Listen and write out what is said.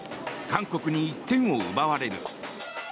韓国に１点を奪われる。